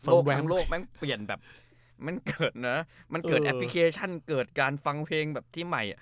โลกทั้งโลกมันเปลี่ยนมันเกิดแอปพลิเคชันเกิดการฟังเพลงแบบที่ใหม่